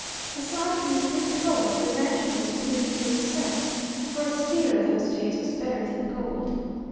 Aside from his good color the ranchman was pleased with his sex, for a steer those days was better than gold.